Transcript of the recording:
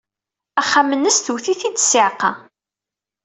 Axxam-nnes twet-it-id ssiɛqa.